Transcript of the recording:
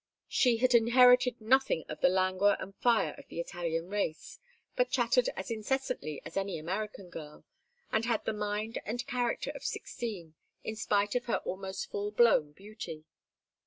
She had inherited nothing of the languor and fire of the Italian race, but chattered as incessantly as any American girl, and had the mind and character of sixteen, in spite of her almost full blown beauty.